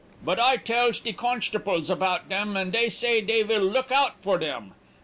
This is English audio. But I tells de constopples about dem, and dey say dey vill look out for dem.